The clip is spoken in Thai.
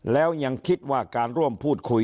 แล้วยังคิดว่าการร่วมพูดคุย